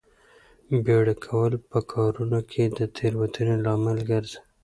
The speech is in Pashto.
بیړه کول په کارونو کې د تېروتنې لامل ګرځي.